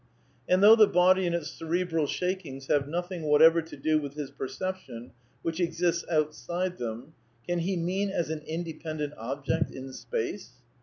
And though the body and its cerebral shakings have nothing whatever to do with his perception^ which exists outside them (can he mean as an independent object in space